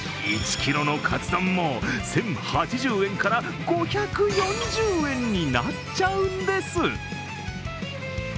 １ｋｇのカツ丼も１０８０円から５４０円になっちゃうんです。